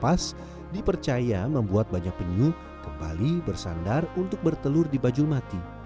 pas dipercaya membuat banyak penyu kembali bersandar untuk bertelur di bajul mati